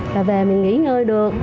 rồi về mình nghỉ ngơi được